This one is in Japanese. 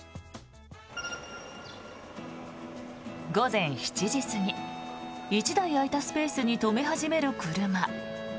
午前７時過ぎ１台空いたスペースに止め始める車。